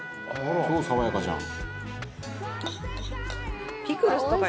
「超爽やかじゃん」